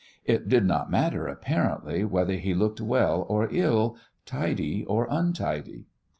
It did not matter, apparently, whether he looked well or ill, tidy or untidy.